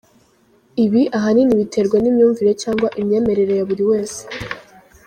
Ibi ahanini biterwa n’imyumvire cyangwa imyemerere ya buri wese.